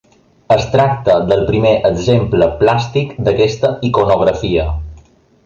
Es tracta del primer exemple plàstic d'aquesta iconografia.